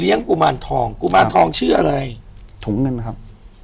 อยู่ที่แม่ศรีวิรัยิลครับ